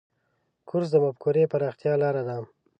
کورس د مفکورې پراختیا لاره ده.